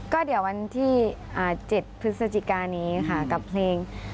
ก็เดี๋ยววันที่๗พฤศจิกานี้ค่ะกับเพลง